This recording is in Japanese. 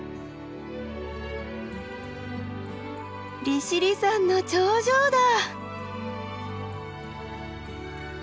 利尻山の頂上だ！